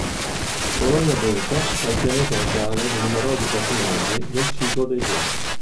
Colonia Beta è il pianeta natale di numerosi personaggi del ciclo dei Vor.